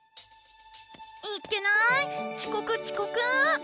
「いっけなーい遅刻遅刻！」。